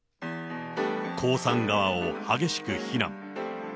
江さん側を激しく非難。